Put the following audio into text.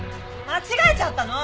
間違えちゃったの！